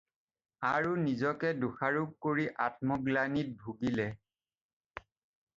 আৰু নিজকে দোষাৰোপ কৰি আত্মগ্লানিত ভুগিলে।